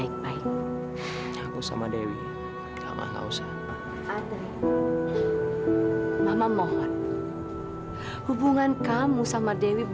kau harus ketemu sama dia